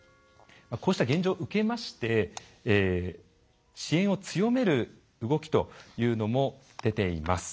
こうした現状を受けまして支援を強める動きというのも出ています。